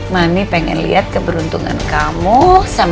mami pengen liat keberuntungan kamu sama bima